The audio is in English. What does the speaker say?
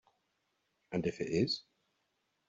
And if it is?